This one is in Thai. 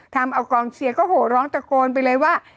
ทำเอากองเชียร์ก็โหร้องตะโกนไปเลยว่า